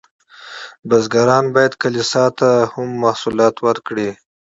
بزګران باید کلیسا ته هم محصولات ورکړي.